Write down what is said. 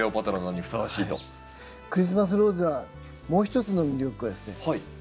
クリスマスローズはもう一つの魅力はですね